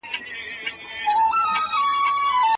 هغه د افغانانو لپاره یو ویاړلی مشر و.